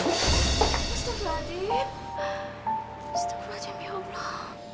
astaghfirullahaladzim ya allah